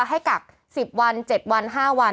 กัก๑๐วัน๗วัน๕วัน